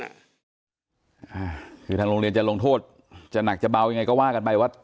อ่าคือทางโรงเรียนจะลงโทษจะหนักจะเบายังไงก็ว่ากันไปว่า